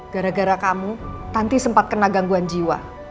gara gara kamu tanti sempat kena gangguan jiwa